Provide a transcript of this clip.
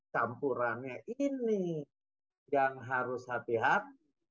campurannya ini yang harus hati hati